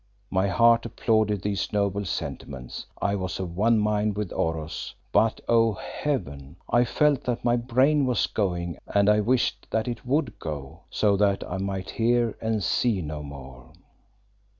My heart applauded these noble sentiments. I was of one mind with Oros, but oh, Heaven! I felt that my brain was going, and I wished that it would go, so that I might hear and see no more.